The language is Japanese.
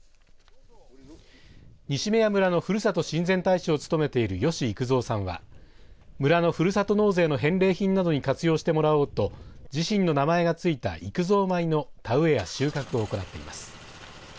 西目屋村のふるさと親善大使を務めている吉幾三さんは村のふるさと納税の返礼品などに活用してもらおうと自身の名前が付いた幾三米の田植えや収穫を行っています。